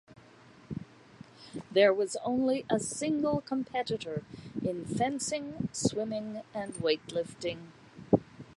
There was only a single competitor in fencing, swimming, and weightlifting.